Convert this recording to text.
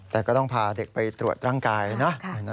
แต่ก็ต้องพาเด็กไปตรวจร่างกายนะ